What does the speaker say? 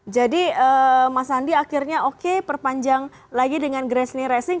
jadi mas andi akhirnya oke perpanjang lagi dengan gresini racing